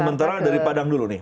sementara dari padang dulu nih